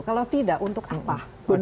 kalau tidak untuk apa